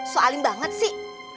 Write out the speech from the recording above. soalin banget sih